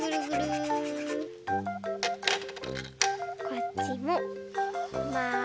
こっちもまる。